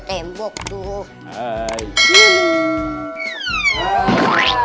tembok tuh hai hai